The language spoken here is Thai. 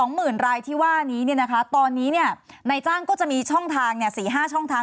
หมื่นรายที่ว่านี้ตอนนี้ในจ้างก็จะมีช่องทาง๔๕ช่องทาง